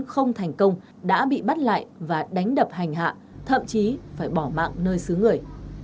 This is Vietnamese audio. không thành công đã bị bắt lại và đánh đập hành hạ thậm chí phải bỏ mạng nơi xứ người